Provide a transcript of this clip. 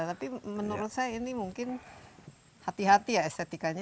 tapi menurut saya ini mungkin hati hati ya estetikanya